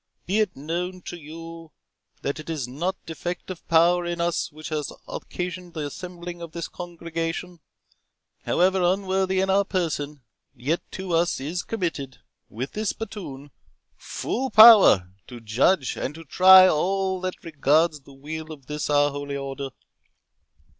—Be it known to you, that it is not defect of power in us which hath occasioned the assembling of this congregation; for, however unworthy in our person, yet to us is committed, with this batoon, full power to judge and to try all that regards the weal of this our Holy Order.